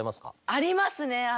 ありますね。